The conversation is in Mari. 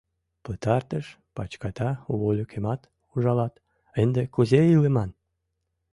Пытартыш пачката вольыкемат ужалат, ынде кузе илыман?